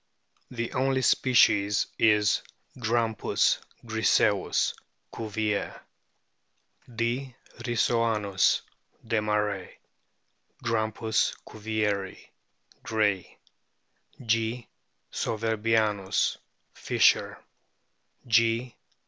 The only species is Grampiis griseiis, Cuvier.* D. rissoanus, Desmarest ; Grampus cuvieri, Gray ; G. souverbianus, Fischer ; G.